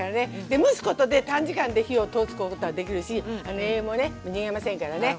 で蒸すことで短時間で火を通すことができるし栄養もね逃げませんからね。